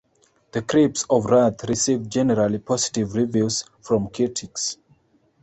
"The Crepes of Wrath" received generally positive reviews from critics.